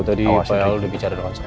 tadi pak elu udah bicara dengan saya